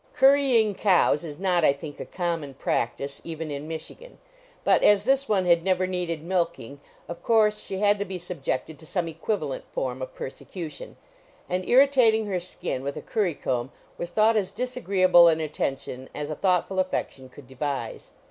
Currying cows is not, I think, a common practice, even in Michigan; but as this one had never needed milking, of course she had to be subjected to some equivalent form of persecution; and irritating her skin with a currycomb was thought as disagreeable an attention as a thoughtful affection could devise.